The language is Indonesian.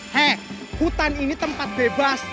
hei hutan ini tempat bebas